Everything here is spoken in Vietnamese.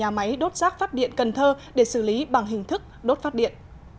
nhà máy đốt rác phát điện cần thơ để xử lý bằng hình thức đốt phát điện